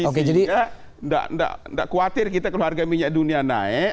sehingga tidak khawatir kita kalau harga minyak dunia naik